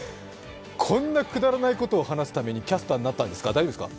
こんなくだらないことを話すためにキャスターになったんですか、大丈夫ですか。